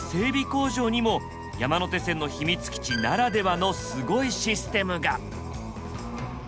工場にも山手線の秘密基地ならではのすごいシステムが。